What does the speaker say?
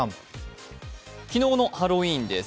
昨日のハロウィーンです。